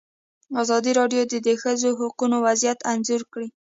ازادي راډیو د د ښځو حقونه وضعیت انځور کړی.